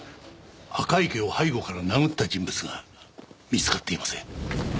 赤池を背後から殴った人物が見つかっていません。